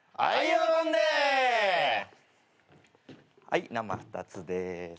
はい生２つです。